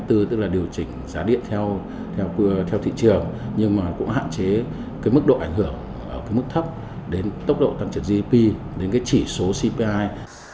tức là điều chỉnh giá điện theo thị trường nhưng mà cũng hạn chế cái mức độ ảnh hưởng ở cái mức thấp đến tốc độ tăng trưởng gdp đến cái chỉ số cpi